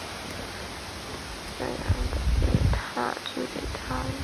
后曾悬挂于西安钟楼。